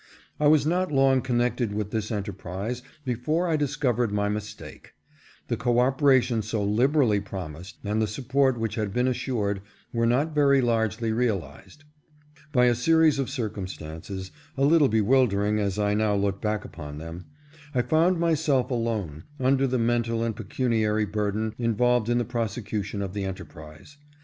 I was not long connected with this enterprise before I discovered my mistake. The cooperation so liberally promised, and the support which had been assured, were not very largely realized. By a series of circumstances, a little bewildering as I now look back upon them, I found myself alone, under the mental and pecuniary bur den involved in the prosecution of the enterprise.